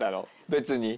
別に。